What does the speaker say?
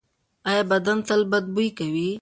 ایا بدن تل بد بوی کوي؟